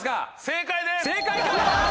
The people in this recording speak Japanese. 正解です！